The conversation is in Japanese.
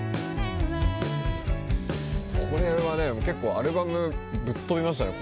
これはアルバムぶっとびましたね